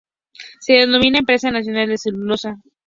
Se denominaba Empresa Nacional de Celulosa.